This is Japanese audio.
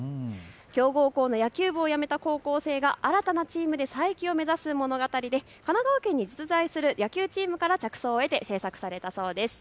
強豪校の野球部を辞めた高校生が新たなチームで再起を目指す物語で神奈川県に実在する野球チームから着想を得て制作されたそうです。